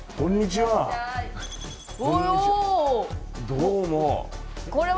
どうも。